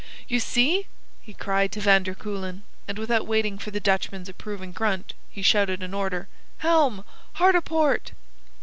"You see!" he cried to van der Kuylen, and without waiting for the Dutchman's approving grunt, he shouted an order: "Helm, hard a port!"